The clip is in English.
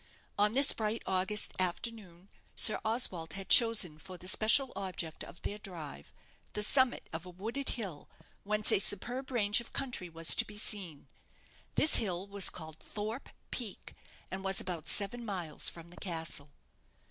On this bright August afternoon, Sir Oswald had chosen for the special object of their drive the summit of a wooded hill, whence a superb range of country was to be seen. This hill was called Thorpe Peak, and was about seven miles from the castle.